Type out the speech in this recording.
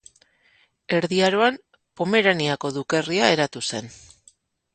Erdi Aroan Pomeraniako dukerria eratu zen.